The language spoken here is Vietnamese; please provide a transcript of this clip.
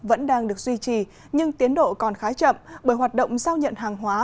vẫn đang được duy trì nhưng tiến độ còn khá chậm bởi hoạt động giao nhận hàng hóa